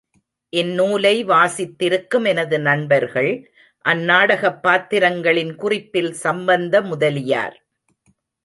இந்நூலை வாசித்திருக்கும் எனது நண்பர்கள், அந்நாடகப் பாத்திரங்களின் குறிப்பில் சம்பந்த முதலியார்!